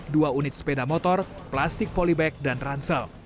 dua unit sepeda motor plastik polybag dan ransel